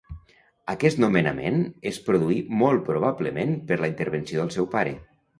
Aquest nomenament es produí molt probablement per la intervenció del seu pare.